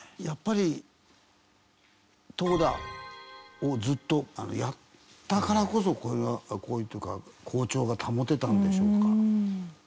やっぱり投打をずっとやったからこそこういうこういうっていうか好調が保てたんでしょうか？